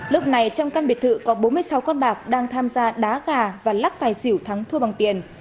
lúc này trong căn biệt thự có bốn mươi sáu con bạc đang tham gia đá gà và lắc tài xỉu thắng thua bằng tiền